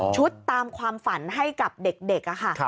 ตามความฝันให้กับเด็กค่ะ